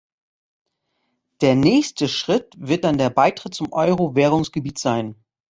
Der nächste Schritt wird dann der Beitritt zum Euro-Währungsgebiet sein.